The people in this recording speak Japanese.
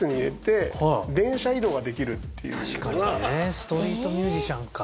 ストリートミュージシャンか。